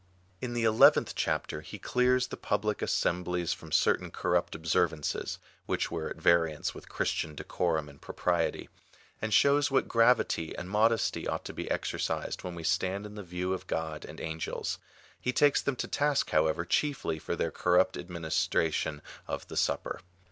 In the eleventh chapter he clears the public assemblies from certain corrupt observances, which were at variance with Christian decorum and propriety, and shows what gra vity and modesty ought to be exercised when we stand in the view of God and angels. He takes them to task, however, chiefly for their corrupt administration of the Sup per.